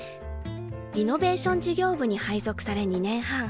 リノベーション事業部に配属され２年半。